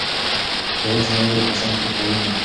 یوازې ځانګړي کسان پرې پوهېږي.